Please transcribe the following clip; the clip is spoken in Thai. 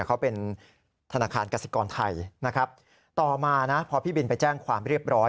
เขาเป็นธนาคารกสิกรไทยนะครับต่อมานะพอพี่บินไปแจ้งความเรียบร้อย